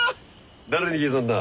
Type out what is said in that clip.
誰に聞いたんだ？